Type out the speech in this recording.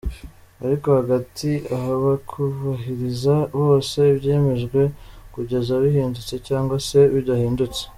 Ariko hagati ahabakubahiriza bose ibyemejwe kugeza bihindutse cyangwa se bidahindutse.